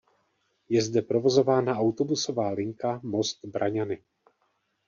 Je zde provozována autobusová linka Most–Braňany.